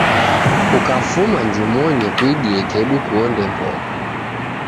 Kukafuma njumonyi kuidie kedu kuonde mbogha